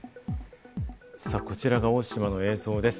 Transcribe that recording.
こちらは大島の映像です。